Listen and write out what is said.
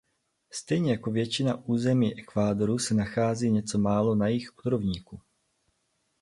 Stejně jako většina území Ekvádoru se nachází něco málo na jih od rovníku.